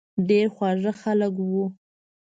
ډېر خواږه خلک وو.